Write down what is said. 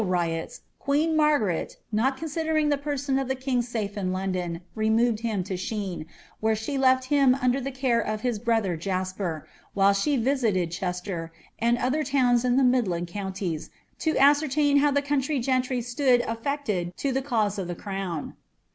168 wn Margaret, not considering the person of the king safe in London, Boved him to Shene, where she left him under the care of his brother iper, while she visited Chester,* and other towns in the midland coun ■, lo ascertain how the comitry gentry stood affected to the cause of I crown.